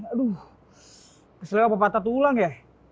aduh keseluruh apa patah tulang ya